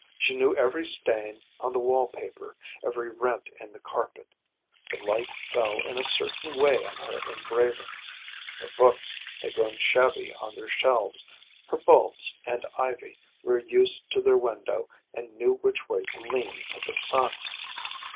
She knew every stain on the wall paper, every rent in the carpet; the light fell in a certain way on her engravings, her books had grown shabby on their shelves, her bulbs and ivy were used to their window and knew which way to lean to the sun.